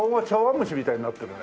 蒸しみたいになってるね。